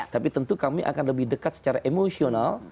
tapi tentu kami akan lebih dekat secara emosional